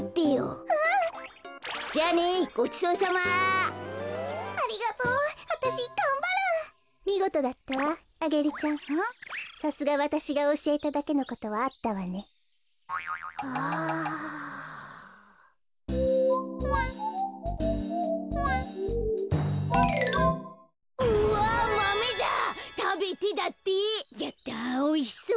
やったおいしそう。